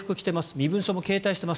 身分証も携帯しています